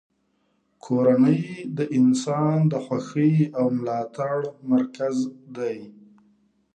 کورنۍ د انسان د خوښۍ او ملاتړ مرکز دی.